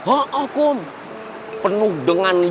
oh oh kum penuh dengan